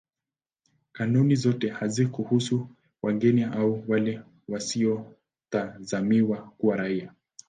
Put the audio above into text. Kanuni zote hazikuhusu wageni au wale wasiotazamiwa kuwa raia.